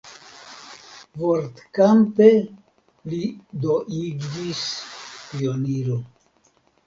Vortkampe li do iĝis pioniro.